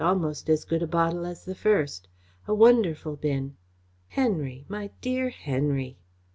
"Almost as good a bottle as the first. A wonderful bin! Henry my dear Henry!"